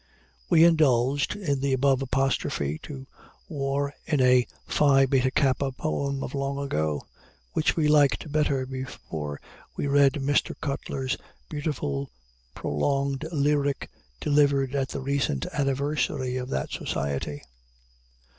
We indulged in the above apostrophe to War in a Phi Beta Kappa poem of long ago, which we liked better before we read Mr. Cutler's beautiful prolonged lyric delivered at the recent anniversary of that Society.